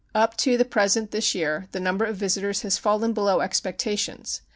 Up to the present this year, the number of visitors has fallen below expectations.